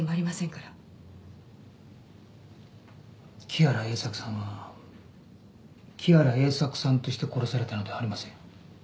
木原栄作さんは木原栄作さんとして殺されたのではありません。